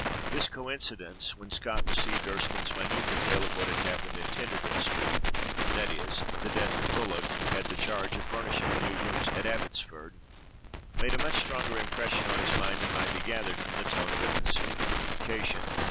This coincidence, when Scott received Erskine's minute detail of what had happened in Tenterdon street (that is, the death of Bullock, who had the charge of furnishing the new rooms at Abbotsford), made a much stronger impression on his mind than might be gathered from the tone of an ensuing communication."